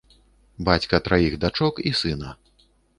Бацька траіх дачок і сына.